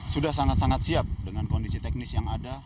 sudah sangat sangat siap dengan kondisi teknis yang ada